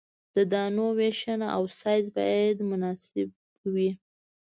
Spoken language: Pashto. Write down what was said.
د دانو ویشنه او سایز باید مناسب وي